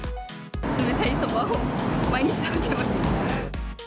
冷たいそばを毎日食べてます。